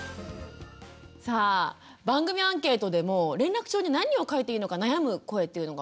さあ番組アンケートでも連絡帳に何を書いていいのか悩む声っていうのがすごく多かったんですね。